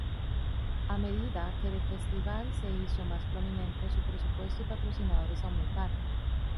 A medida que el festival se hizo más prominente, su presupuesto y patrocinadores aumentaron.